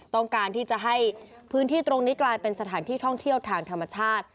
ต้องการที่จะให้พื้นที่ตรงนี้กลายเป็นสถานที่ท่องเที่ยวทางธรรมชาติ